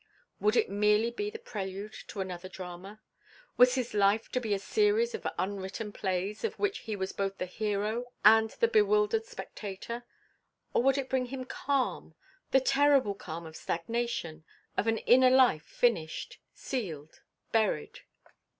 Would it merely be the prelude to another drama? Was his life to be a series of unwritten plays, of which he was both the hero and the bewildered spectator? Or would it bring him calm, the terrible calm of stagnation, of an inner life finished, sealed, buried?